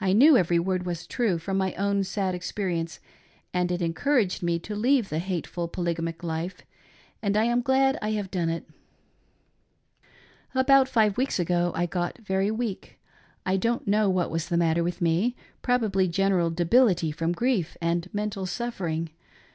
I knew every word was true from my own sad experience, and it encouraged me to leave the ha, teful polygamic life, and I am glad that I have done it About five weeks ago I got very weak. I don't know what was the matter with me — probably general debility from grief and mental suffering.